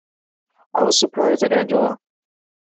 I was surprised at Angela.